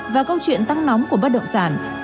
và câu chuyện tăng nóng của bất động sản